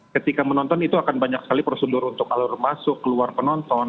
ketika menonton itu akan banyak sekali prosedur untuk alur masuk keluar penonton